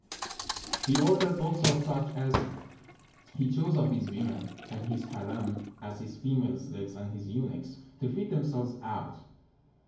He ordered also such as he chose of his women and his hareem, as his female slaves and his eunuchs, to fit themselves out.